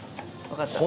わかった。